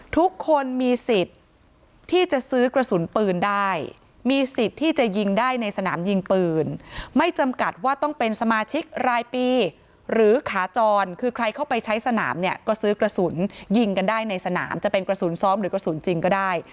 ทุกคนมีสิทธิ์ที่จะซื้อกระสุนปืนได้มีสิทธิ์ที่จะยิงได้ในสนามยิงปืนไม่จำกัดว่าต้องเป็นสมาชิกรายปีหรือขาจรคือใครเข้าไปใช้สนามเนี่ยก็ซื้อกระสุนยิงกันได้ในสนามจะเป็นกระสุนซ้อมหรือกระสุนจริงก็ได้